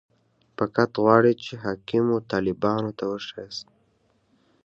فقط غواړي چې حاکمو طالبانو ته وښيي.